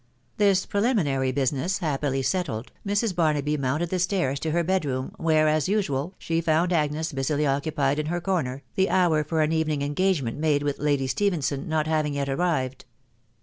. This preliminary business happily settled, Mrs. Barmbf mounted the stairs to her bed room, where, as usual, die found Agnes busily occupied in her corner, the hour for m evening engagement made with Lady Stephenson net baring yet arrived.